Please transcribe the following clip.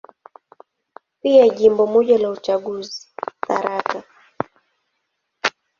Pia Jimbo moja la uchaguzi, Tharaka.